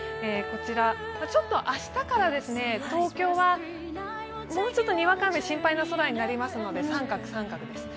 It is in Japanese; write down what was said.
明日から東京はもうちょっとにわか雨が心配な空になりますので、△、△です。